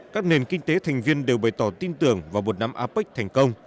các nền kinh tế thành viên đều bày tỏ tin tưởng vào một năm apec thành công